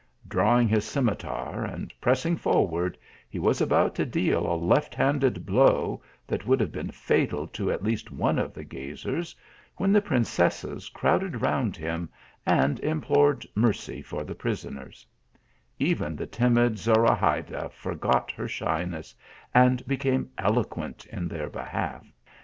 Drawing his scimitar and pressing forward, he was about to deal a left handed blow, that would have been fatal to at least one of the gazers, when the princesses crowded round him, and implored mercy for the prisoners ; even the timid Zorahayda forgot her shyness and became eloquent in their behalf.